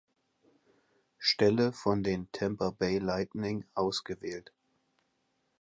Stelle von den Tampa Bay Lightning ausgewählt.